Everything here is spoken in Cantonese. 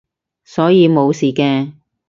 所以冇事嘅